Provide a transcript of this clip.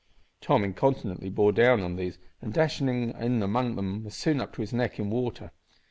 Tom incontinently bore down on these, and dashing in among them was soon up to his neck in water!